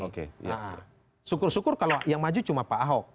nah syukur syukur kalau yang maju cuma pak ahok